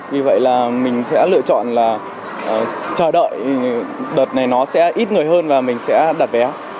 vì vậy là mình sẽ lựa chọn là chờ đợi đợt này nó sẽ ít người hơn và mình sẽ đặt vé